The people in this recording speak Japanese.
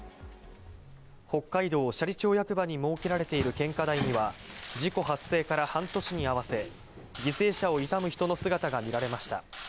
北海道斜里町役場に設けられている献花台には、事故発生から半年に合わせ、犠牲者を悼む人の姿が見られました。